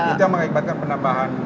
itu yang mengakibatkan penambahan